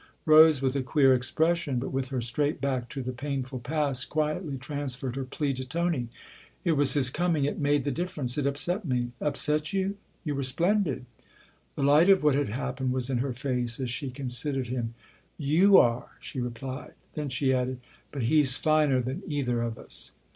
Rose, with a queer expression, but with her straight back to the painful past, quietly transferred her plea to Tony. " It was his coming it made the difference. It upset me." " Upset you ? You were splendid !" The light of what had happened was in her face as she considered him. " You are !" she replied. Then she added :" But he's finer than either of us!"